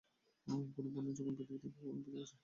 কোন পণ্যের জোগান পৃথিবী থেকে কখনোই ফুরিয়ে যাবার নয়?